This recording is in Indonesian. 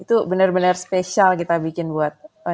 itu benar benar spesial kita bikin buat